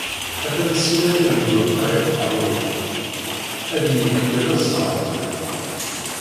Atan simmal irennu leqriḥ uqerruy-iw. Ad y-iliq kan ad d-ẓreɣ ṭṭbib.